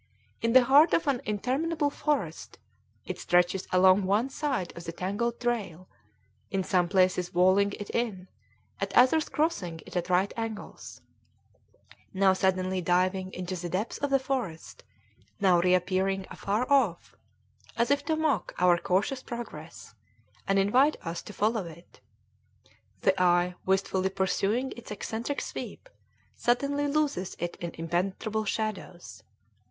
In the heart of an interminable forest it stretches along one side of the tangled trail, in some places walling it in, at others crossing it at right angles; now suddenly diving into the depths of the forest, now reappearing afar off, as if to mock our cautious progress, and invite us to follow it. The eye, wistfully pursuing its eccentric sweep, suddenly loses it in impenetrable shadows.